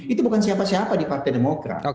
itu bukan siapa siapa di partai demokrat